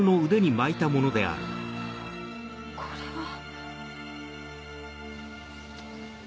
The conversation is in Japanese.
これは。